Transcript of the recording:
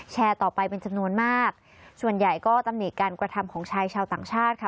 แชร์ต่อไปเป็นจำนวนมากส่วนใหญ่ก็ตำหนิการกระทำของชายชาวต่างชาติค่ะ